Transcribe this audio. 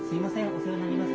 お世話になります。